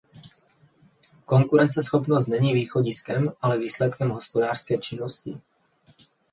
Konkurenceschopnost není východiskem, ale výsledkem hospodářské činnosti.